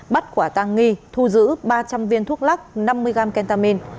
bắt quả tàng nghi thu giữ ba trăm linh viên thuốc lắc năm mươi g kentamin